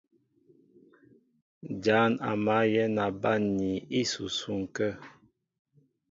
Ján a mǎl yɛ̌n a banmni ísusuŋ kə̂.